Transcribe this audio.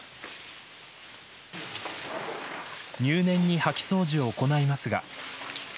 入念に掃き掃除を行いますが。